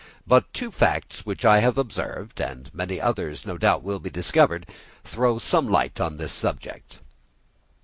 But two facts, which I have observed—and many others no doubt will be discovered—throw some light on this subject.